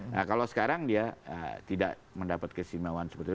nah kalau sekarang dia tidak mendapat kesimawaan seperti itu